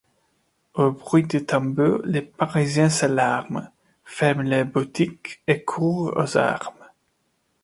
Au bruit des tambours, les Parisiens s'alarment, ferment leurs boutiques et courent aux armes.